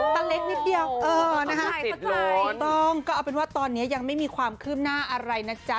เล็กนิดเดียวเออนะคะถูกต้องก็เอาเป็นว่าตอนนี้ยังไม่มีความคืบหน้าอะไรนะจ๊ะ